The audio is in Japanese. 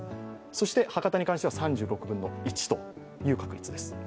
そして博多に関しては３６分の１という確率です。